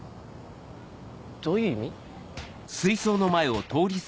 どういう意味？